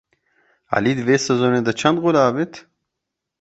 Elî di vê sezonê de çend gol avêt?